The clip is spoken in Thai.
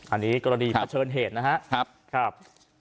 อันนี้กรณีเผชิญเหตุนะครับ